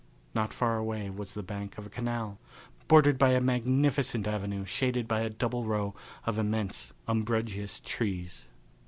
Not far away was the bank of a canal, bordered by a magnificent avenue shaded by a double row of immense umbrageous trees.